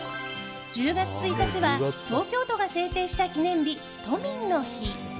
１０月１日は東京都が制定した記念日都民の日。